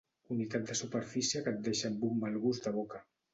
Unitat de superfície que et deixa amb un mal gust de boca.